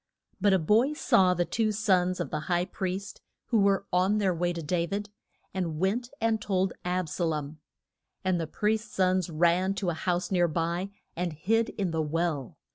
But a boy saw the two sons of the high priest who were on their way to Da vid, and went and told Ab sa lom. And the priest's sons ran to a house near by, and hid in the well.